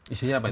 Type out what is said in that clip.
isinya apa itu